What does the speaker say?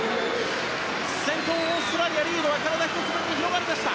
先頭、オーストラリアリードは体１つ分に広がりました。